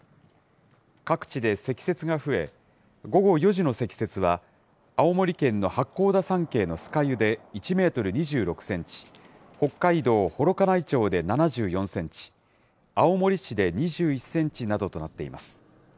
各地で積雪が増え、午後４時の積雪は、青森県の八甲田山系の酸ヶ湯で１メートル２６センチ、北海道幌加内町で７４センチ、青森市で２１センチなどとなっています。